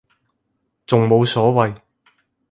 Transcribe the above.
仲冇所謂